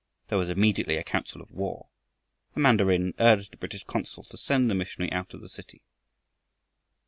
There was immediately a council of war. The mandarin urged the British consul to send the missionary out of the city.